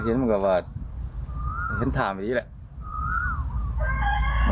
เคยถามอยู่นี้แหละ